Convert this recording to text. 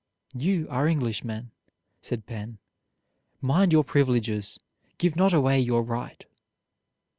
"You are Englishmen," said Penn; "mind your privileges, give not away your right."